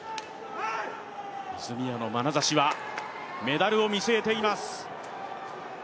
泉谷のまなざしはメダルを見据えています。